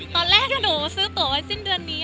ตอนแรกถ้าหนูซื้อตัวไว้สิ้นเดือนนี้